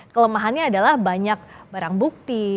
kelemahannya adalah banyak barang bukti